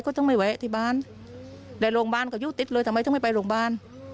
เขาหัวถ้าเวลาเขาว่า